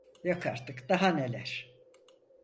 Yok artık daha neler!